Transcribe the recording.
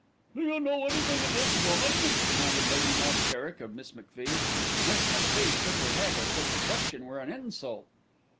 "Do you know anything of this woman?" demanded Lady Knob Kerrick of Miss MacFie. Miss MacFie shook her head as if the question were an insult.